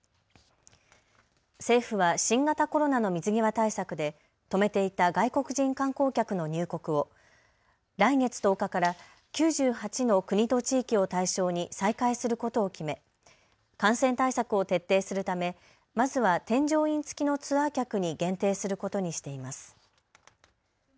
政府は新型コロナの水際対策で止めていた外国人観光客の入国を来月１０日から９８の国と地域を対象に再開することを決め感染対策を徹底するためまずは添乗員付きのツアー客に限定することにしています。